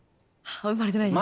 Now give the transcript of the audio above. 生まれてないです。